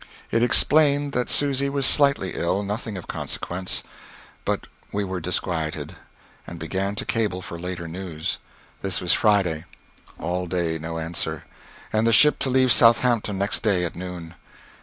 It explained that Susy was slightly ill nothing of consequence. But we were disquieted, and began to cable for later news. This was Friday. All day no answer and the ship to leave Southampton next day, at noon.